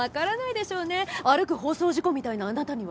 歩く放送事故みたいなあなたには。